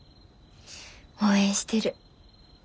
応援してる。